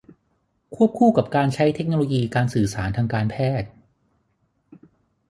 ควบคู่กับการใช้เทคโนโลยีการสื่อสารทางการแพทย์